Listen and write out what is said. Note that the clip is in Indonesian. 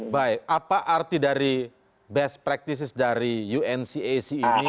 baik apa arti dari best practices dari uncac ini